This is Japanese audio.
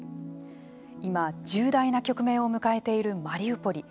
今、重大な局面を迎えているマリウポリ。